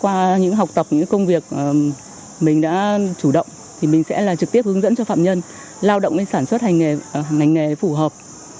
qua những học tập những công việc mình đã chủ động thì mình sẽ là trực tiếp hướng dẫn cho phạm nhân lao động sản xuất hành nghề phù hợp